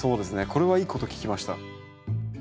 これはいいこと聞きました。